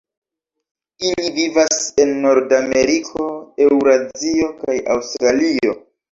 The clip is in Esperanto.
Ili vivas en Nordameriko, Eŭrazio kaj Aŭstralio.